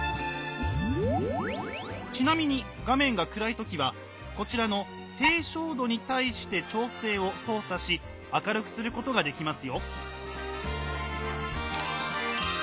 ちなみに画面が暗い時はこちらの「低照度に対して調整」を操作し明るくすることができますよ。